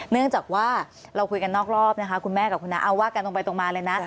เนื่องจากว่าเราคุยกันนอกรอบนะคะคุณแม่กับคุณน้าเอาว่ากันตรงไปตรงมาเลยนะ